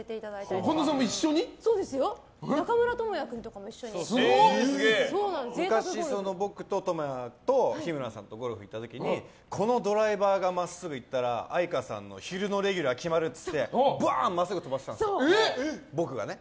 昔、僕と倫也と日村さんと日村さんとゴルフ行った時にドライバーが真っすぐ行ったら愛花さんの昼のレギュラー決まるって言って僕が真っすぐ飛ばしたんです。